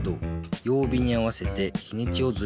曜日に合わせて日にちをずらしたのね。